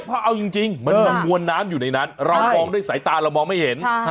เพราะเอาจริงมันมีมวลน้ำอยู่ในนั้นเรามองด้วยสายตาเรามองไม่เห็น